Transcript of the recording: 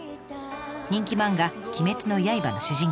人気漫画「鬼滅の刃」の主人公